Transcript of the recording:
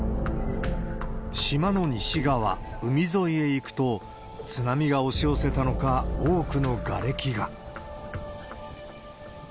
島の西側、海沿いへ行くと、津波が押し寄せたのか、多くのがれきが。